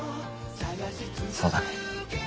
そうだね。